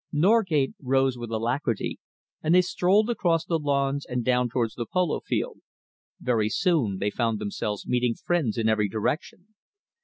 Norgate rose with alacrity, and they strolled across the lawns and down towards the polo field. Very soon they found themselves meeting friends in every direction.